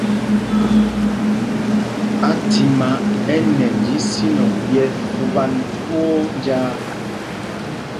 Athimá ɛ nɛnj isínɔŋ ɓyɛ́ fupan twóó njāā.